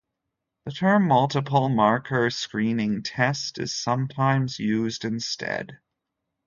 The term "multiple-marker screening test" is sometimes used instead.